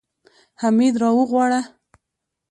حميد راوغواړه.